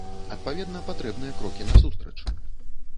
Адпаведна, патрэбныя крокі насустрач.